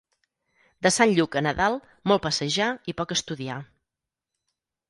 De Sant Lluc a Nadal, molt passejar i poc estudiar.